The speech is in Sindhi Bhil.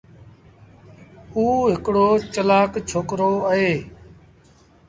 اُ هڪڙو چلآڪ ڇوڪرو اهي۔